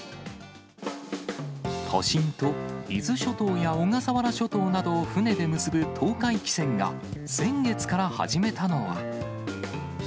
都心と伊豆諸島や小笠原諸島などを船で結ぶ東海汽船が、先月から始めたのは。